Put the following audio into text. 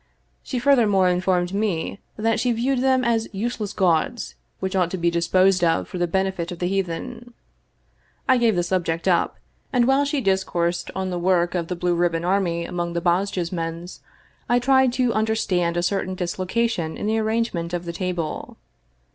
She furthermore informed me that she viewed them as useless gauds, which ought to be disposed of for the benefit of the heathen. I gave the subject up, and while she discoursed of the work of the Blue Ribbon Army among the Bosjesmans I tried to uhder stand a certain dislocation in the arrangement of the table.